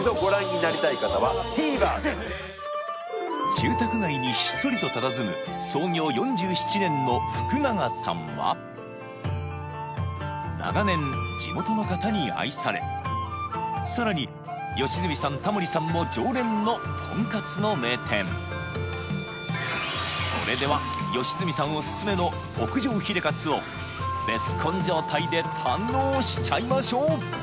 住宅街にひっそりとたたずむ創業４７年の福長さんは長年地元の方に愛されさらに良純さんタモリさんも常連のとんかつの名店それではをベスコン状態で堪能しちゃいましょう！